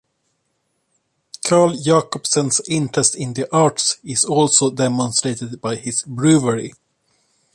Carl Jacobsens interest in the arts is also demonstrated by his brewery.